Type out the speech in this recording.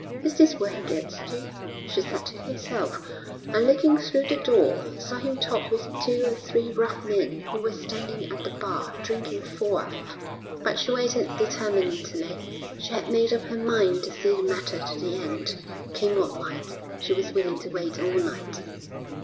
'Is this where he gets to?' she said to herself, and, looking through the door, saw him talk with two or three rough men who were standing at the bar, drinking 'four 'arf.' But she waited determinedly. She had made up her mind to see the matter to the end, come what might; she was willing to wait all night.